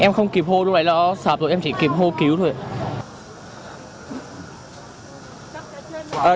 em không kịp hô lúc nãy nó sợp rồi em chỉ kịp hô cứu thôi